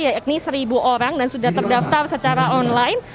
yakni seribu orang dan sudah terdaftar secara online